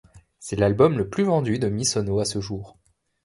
C'est l'album le plus vendu de Misono à ce jour.